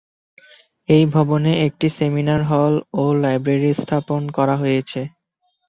এ ভবনে একটি seminar hall ও লাইব্রেরি স্থাপন করা হয়েছে।